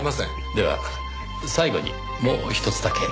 では最後にもうひとつだけ。